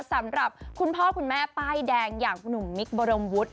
สำหรับคุณพ่อคุณแม่ป้ายแดงอย่างคุณหนุ่มมิคบรมวุฒิ